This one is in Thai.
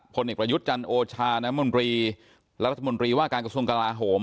เอกประยุทธ์จันทร์โอชาน้ำมนตรีและรัฐมนตรีว่าการกระทรวงกลาโหม